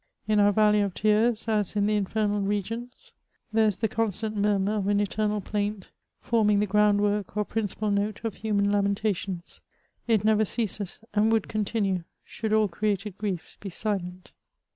In our vallej of tears, as in the infernal regions, there is the constant murmur of an eternal plaint, forming the ground vrork, or principal note, of human lamentations ; ii never ceases, and would continue should all created griefs be silent.